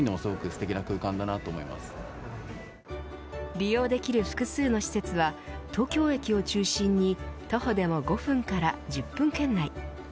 利用できる複数の施設は東京駅を中心に徒歩でも５分から１０分圏内。